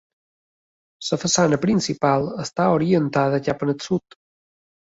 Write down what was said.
La façana principal està orientada cap al sud.